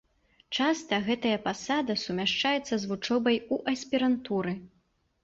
Часта гэтая пасада сумяшчаецца з вучобай у аспірантуры.